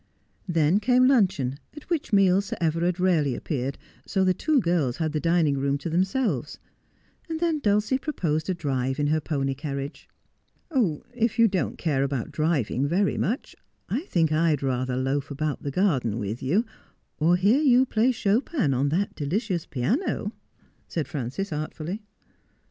Then came luncheon, at which meal Sir Everard rarely appeared, so the two girls had the dining room to themselves, and then Dulcie proposed a drive in her pony carriage. 'If you don't care about driving very much, I think I'd rather loaf about the garden with you, or hear you play Chopin on that delicious piano,' said Frances artfully.